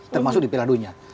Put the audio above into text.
termasuk di peladunya